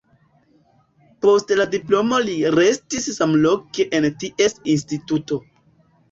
Post la diplomo li restis samloke en ties instituto.